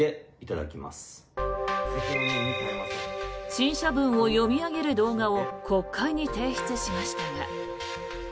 陳謝文を読み上げる動画を国会に提出しましたが。